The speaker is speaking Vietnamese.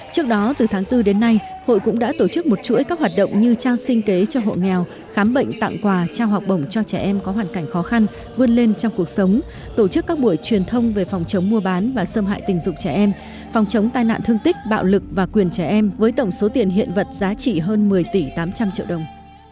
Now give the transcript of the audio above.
trước đó từ tháng bốn đến nay hội cũng đã tổ chức một chuỗi các hoạt động như trao sinh kế cho hộ nghèo khám bệnh tặng quà trao học bổng cho trẻ em có hoàn cảnh khó khăn vươn lên trong cuộc sống tổ chức các buổi truyền thông về phòng chống mua bán và xâm hại tình dục trẻ em phòng chống tai nạn thương tích bạo lực và quyền trẻ em với tổng số tiền hiện vật giá trị hơn một mươi tỷ tám trăm linh triệu đồng